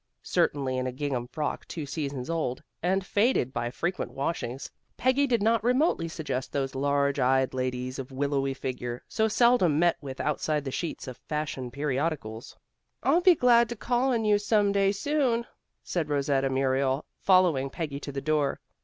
Certainly in a gingham frock two seasons old, and faded by frequent washings, Peggy did not remotely suggest those large eyed ladies of willowy figure, so seldom met with outside the sheets of fashion periodicals. "I'll be glad to call on you some day soon," said Rosetta Muriel following Peggy to the door.